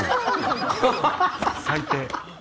最低。